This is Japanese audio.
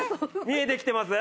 見えてきてます？